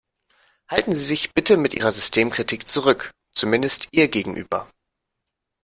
Halten Sie sich bitte mit Ihrer Systemkritik zurück, zumindest ihr gegenüber.